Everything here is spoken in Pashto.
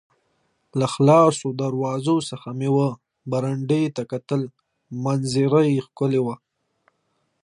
له خلاصو دروازو څخه مې وه برنډې ته کتل، منظره یې ښکلې وه.